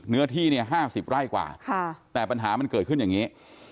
เนื้อที่เนี่ย๕๐ไร่กว่าแต่ปัญหามันเกิดขึ้นอย่างนี้